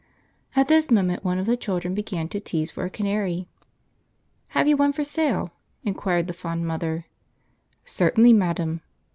At this moment one of the children began to tease for a canary. "Have you one for sale?" inquired the fond mother. "Certainly, madam."